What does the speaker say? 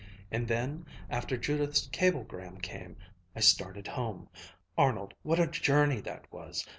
And then, after Judith's cablegram came, I started home Arnold, what a journey that was!